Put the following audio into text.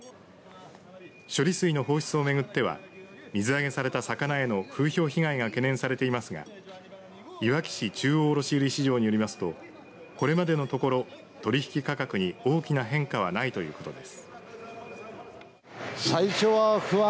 処理水の放出を巡っては水揚げされた魚への風評被害が懸念されていますがいわき市中央卸売市場によりますとこれまでのところ取引価格に大きな変化はないということです。